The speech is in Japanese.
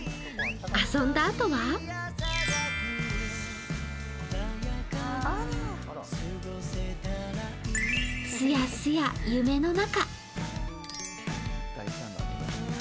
遊んだあとは、すやすや夢の中。